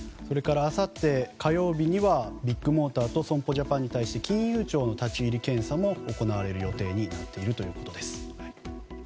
あさって火曜日にはビッグモーターと損保ジャパンに対して金融庁の立ち入り検査も行われる予定になっているということです。